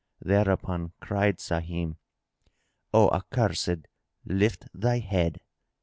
Thereupon cried Sahim, "O Accursed, lift thy head!"